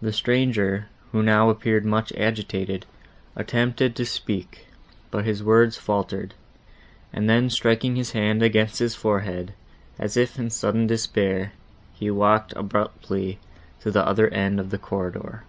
The stranger, who now appeared much agitated, attempted to speak, but his words faltered; and then striking his hand against his forehead, as if in sudden despair, he walked abruptly to the other end of the corridor.